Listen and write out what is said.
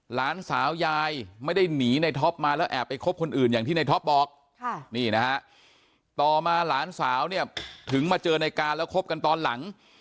หลานสาวยายไม่ได้หนีในท็อปมาแล้วแอบไปคบคนอื่นอย่างที่ในท็อปบอกนี่นะฮะต่อมาหลานสาวเนี่ยถึงมาเจอในการแล้วคบกันตอนหลัง